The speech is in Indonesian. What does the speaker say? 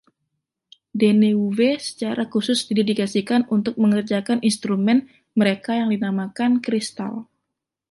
Deneuve secara khusus didedikasikan untuk mengerjakan instrumen mereka yang dinamakan "Cristal".